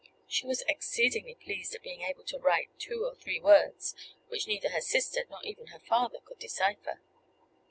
She was exceedingly pleased at being able already to write two or three words which neither her sister nor even her father could decipher.